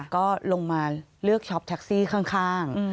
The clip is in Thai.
ก็ลงมาเลือกช็อปแท็กซี่ข้าง